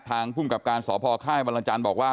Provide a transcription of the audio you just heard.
ทางภูมิกับการศพค่าให้บัลลังจันทร์บอกว่า